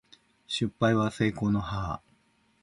失敗は成功の母